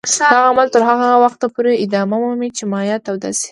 دغه عمل تر هغه وخته ادامه مومي چې مایع توده شي.